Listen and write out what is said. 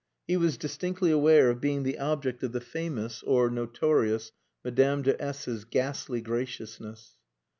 He was distinctly aware of being the object of the famous or notorious Madame de S 's ghastly graciousness.